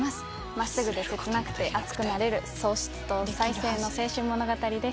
真っすぐで切なくて熱くなれる喪失と再生の青春物語です。